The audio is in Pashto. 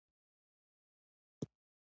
خوړل د پلار روزي ښيي